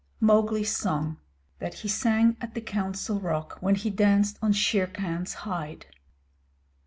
MOWGLI'S SONG THAT HE SANG AT THE COUNCIL ROCK WHEN HE DANCED ON SHERE KHAN'S HIDE.